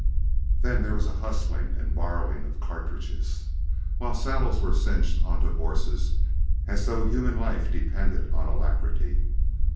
Then there was a hustling and borrowing of cartridges, while saddles were cinched on to horses as though human life depended on alacrity.